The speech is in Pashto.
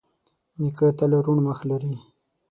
نیکه تل روڼ مخ لري.